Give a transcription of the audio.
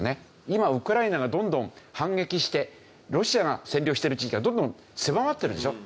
今ウクライナがどんどん反撃してロシアが占領している地域がどんどん狭まっているでしょ？